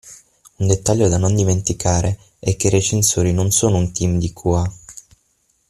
Un dettaglio da non dimenticare è che i recensori non sono un team di QA.